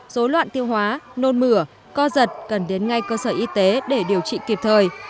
dối loạn tiêu hóa nôn mửa co giật cần đến ngay cơ sở y tế để điều trị kịp thời